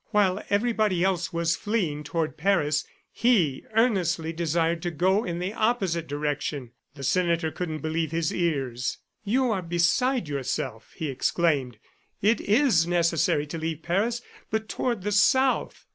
While everybody else was fleeing toward Paris he earnestly desired to go in the opposite direction. The senator couldn't believe his ears. "You are beside yourself!" he exclaimed. "It is necessary to leave Paris, but toward the South.